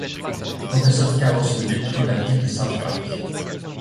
Le professeur Chaos veut détruire la ville de South Park.